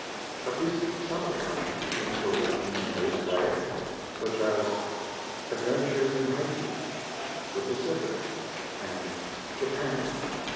At least some of the contributions were written in this way, such as "Adventures in Hayti," "The Pacific," and "Japan."